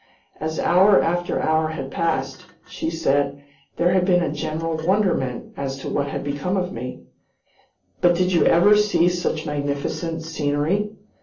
As hour after hour had passed, she said, there had been a general wonderment as to what had become of me; "but did you ever see such magnificent scenery?"